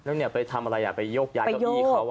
แล้วเนี่ยไปทำอะไรไปโยกย้ายเก้าอี้เขา